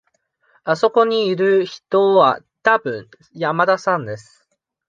あそこにいる人はたぶん山田さんです。